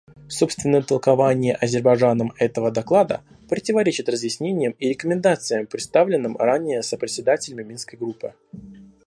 Собственное толкование Азербайджаном этого доклада противоречит разъяснениям и рекомендациям, представленным ранее сопредседателями Минской группы.